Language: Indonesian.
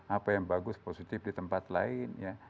apa yang bagus positif di tempat lain ya